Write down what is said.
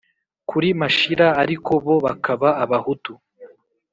kuri mashira, ariko bo bakaba abahutu.